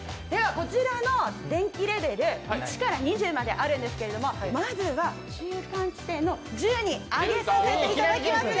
こちらの電気レベル１から２０まであるんですけど、まずは中間地点の１０に上げさせていただきますね。